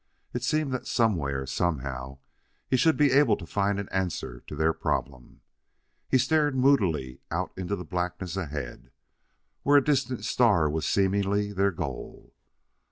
It seemed that somewhere, somehow, he should be able to find an answer to their problem. He stared moodily out into the blackness ahead, where a distant star was seemingly their goal.